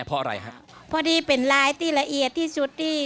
เพราะดีเป็นลายที่ละเอียดที่สุดดี